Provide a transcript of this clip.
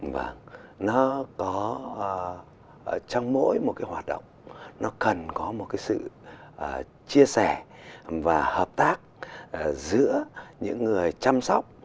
vâng nó trong mỗi một cái hoạt động nó cần có một cái sự chia sẻ và hợp tác giữa những người chăm sóc